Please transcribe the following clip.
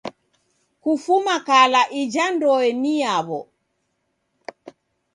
Kufuma kala ija ndoe ni yaw'o.